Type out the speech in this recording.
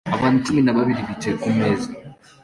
Abantu cumi na babiri bicaye kumeza